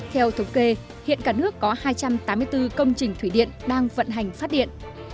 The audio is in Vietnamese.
theo thống kê hiện cả nước có hai trăm tám mươi bốn công trình thủy điện đang vận hành phát điện